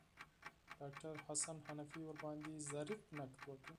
ډاکتر حسن حنفي ورباندې ظریف نقد وکړ.